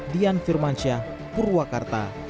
dian firmansyah purwakarta